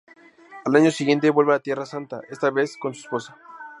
Al año siguiente vuelve a Tierra Santa, esta vez con su esposa.